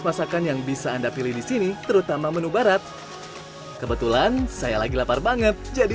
masakan yang bisa anda pilih di sini terutama menu barat kebetulan saya lagi lapar banget jadi